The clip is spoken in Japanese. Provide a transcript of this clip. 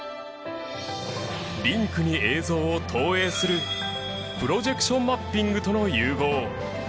リンクに映像を投影するプロジェクションマッピングとの融合。